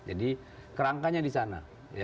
jadi kerangkanya di sana